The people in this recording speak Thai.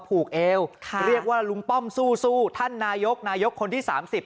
ผูกเอวเรียกว่าลุงป้อมสู้ท่านนายกนายกคนที่สามสิบ